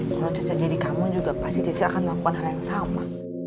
kalo cece jadi kamu juga pasti cece akan melakukan hal yang sama